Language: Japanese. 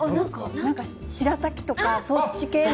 なんか、しらたきとか、そっち系の。